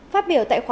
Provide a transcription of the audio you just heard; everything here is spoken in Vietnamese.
phát biểu tại khóa